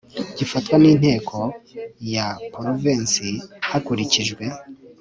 gifatwa n Inteko ya Porovensi hakurikijwe